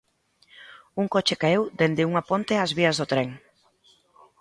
Un coche caeu dende unha ponte ás vías do tren.